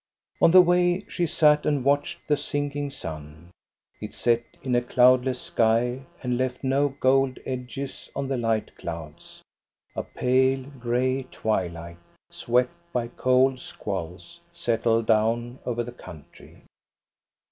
On the way she sat and watched the sinking sun. It set in a cloudless sky and left no gold edges on the light clouds. A pale, gray, twilight, swept by cold squalls, settled down over the country.